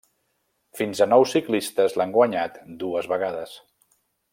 Fins a nou ciclistes l'han guanyat dues vegades.